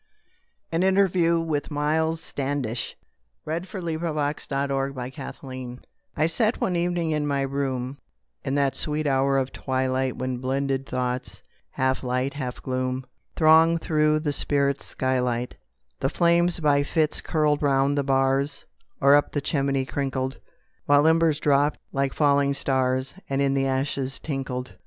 AN INTERVIEW WITH MILES STANDISH. I sat one evening in my room, In that sweet hour of twilight When blended thoughts, half light, half gloom, Throng through the spirit's skylight; The flames by fits curled round the bars, Or up the chimney crinkled, While embers dropped like falling stars, And in the ashes tinkled.